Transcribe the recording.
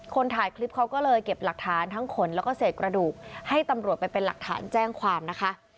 ถ่ายคลิปเขาก็เลยเก็บหลักฐานทั้งขนแล้วก็เศษกระดูกให้ตำรวจไปเป็นหลักฐานแจ้งความนะคะ